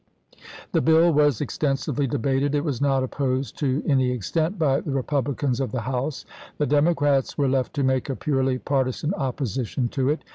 The bill was extensively debated. It was not opposed to any extent by the Republicans of the House ; the Democrats were left to make a purely partisan opposition to it.